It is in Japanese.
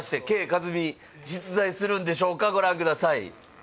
カズミ実在するんでしょうかご覧ください